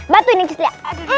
bantuin istri ya